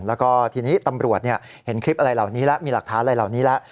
แล้วก็ทีนี้ตำรวจเห็นคลิปอะไรเหล่านี้แล้วมีหลักฐานอะไรเหล่านี้แล้ว